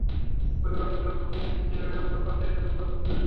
পরিবারের লোকজন এলে আগামী রোববার থেকে তাদের হস্তান্তরের প্রক্রিয়া শুরু হবে।